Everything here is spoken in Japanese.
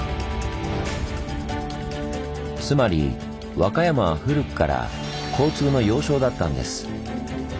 つまり和歌山は古くから交通の要衝だったんです。